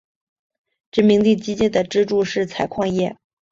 殖民地经济的支柱是采矿业。